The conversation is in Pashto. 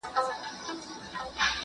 میږي